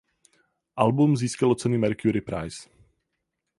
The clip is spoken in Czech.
Album získalo cenu Mercury Prize.